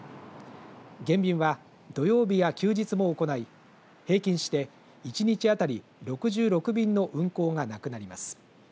減便は土曜日や休日も行い平均して１日当たり６６便の運行がなくなります。